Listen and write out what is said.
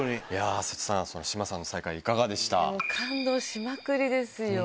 瀬戸さん、志麻さんの再会い感動しまくりですよ。